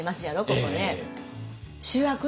ここね。